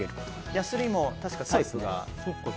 ヤスリも確か、タイプが。